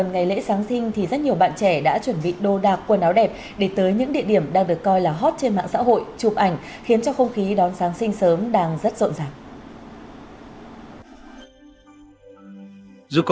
giáng sinh sớm đang rất rộn ràng